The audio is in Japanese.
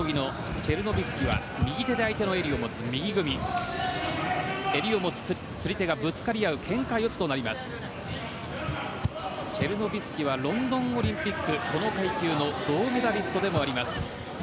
チェルノビスキはロンドンオリンピックこの階級の銅メダリストでもあります。